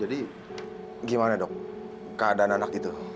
jadi gimana dok keadaan anak itu